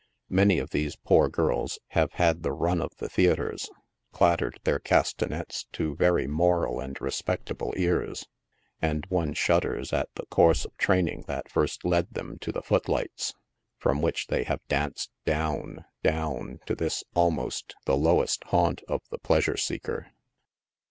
Many of these poor girls have had the run of the theatres — clattered their castanets to very moral and respectable ears ; and one shudders at the course of training that first led them to the foot lights, from which they have danced down, down to this almost the lowest haunt of the pleasure seeker.